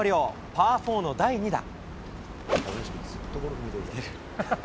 パー４の第２打。